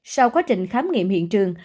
sau quá trình khám nghiệm hiện trường